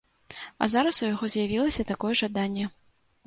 А зараз у яго з'явілася такое жаданне.